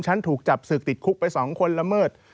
ฉันถูกจับศึกติดคุกไป๒คนละเมิด